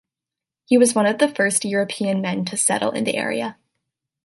He was one of the first European men to settle in the area.